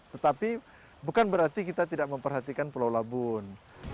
tetapi bukan berarti kita tidak memperhatikan pulau labun